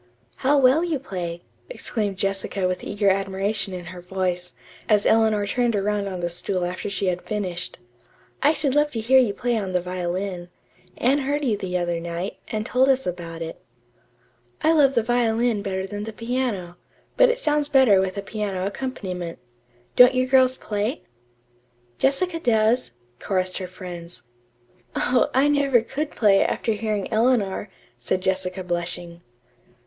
"How well you play!" exclaimed Jessica with eager admiration in her voice, as Eleanor turned around on the stool after she had finished. "I should love to hear you play on the violin. Anne heard you the other night, and told us about it." "I love the violin better than the piano, but it sounds better with a piano accompaniment. Don't you girls play?" "Jessica does," chorused her friends. "Oh, I never could play, after hearing Eleanor," said Jessica blushing.